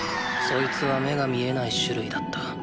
そいつは目が見えない種類だった。